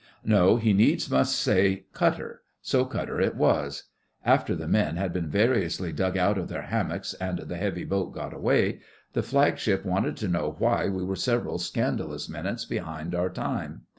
No, he needs must say 'cutter'; so cutter it was. After the men had been variously dug out of their hammocks and the heavy boat got away, the Flagship wanted to know why we were several scandalous minutes behind our time.